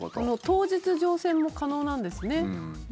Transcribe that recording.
当日乗船も可能なんですね。